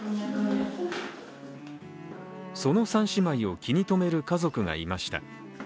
その３姉妹を気にとめる家族がいました。